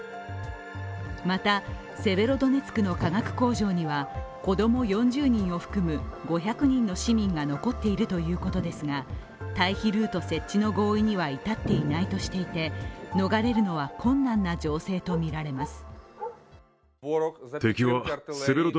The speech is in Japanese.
また、セベロドネツクの化学工場には子供４０人を含む５００人の市民が残っているということですが、退避ルート設置の合意には至っていないとしていて逃れるのは困難な情勢とみられます。